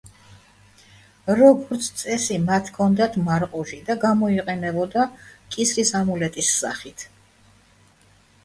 როგორც წესი, მათ ჰქონდათ მარყუჟი და გამოიყენებოდა კისრის ამულეტის სახით.